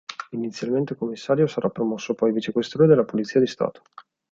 Inizialmente commissario, sarà promosso poi vicequestore della Polizia di Stato.